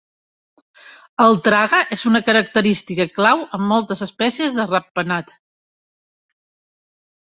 El trague és una característica clau en moltes espècies de ratpenat.